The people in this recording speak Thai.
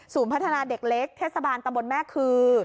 พัฒนาเด็กเล็กเทศบาลตำบลแม่คือ